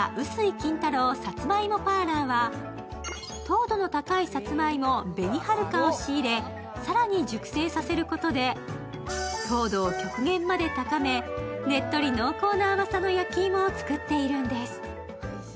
金太郎さつまいもパーラーは糖度の高いさつまいも、紅はるかを仕入れ、更に熟成させることで糖度を極限まで高めねっとり濃厚な甘さの焼き芋を作っているんです。